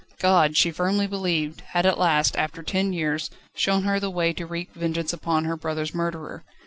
God, she firmly believed, had at last, after ten years, shown her the way to wreak vengeance upon her brother's murderer.